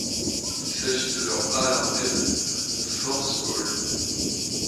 Il s'agit de leur à l'Armed Forces Bowl.